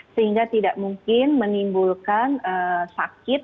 sehingga tidak mungkin menimbulkan sakit